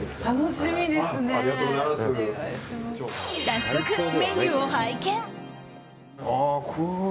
早速メニューを拝見。